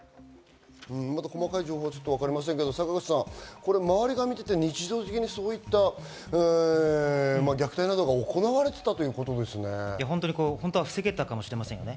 細かい情報はわかりませんけど坂口さん、周りが見ていて日常的に虐待などが行われていたとい防げたかもしれませんよね。